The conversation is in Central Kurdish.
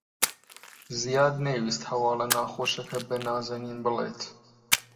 زیاد نەیویست هەواڵە ناخۆشەکە بە نازەنین بڵێت.